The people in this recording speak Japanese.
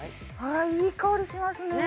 あいい香りしますね